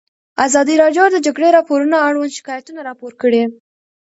ازادي راډیو د د جګړې راپورونه اړوند شکایتونه راپور کړي.